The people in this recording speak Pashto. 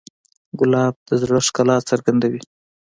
ګلاب د زړه ښکلا څرګندوي.